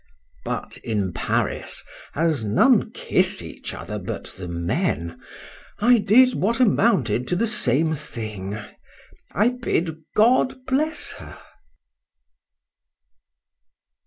But in Paris, as none kiss each other but the men,—I did, what amounted to the same thing— —I bid God bless her.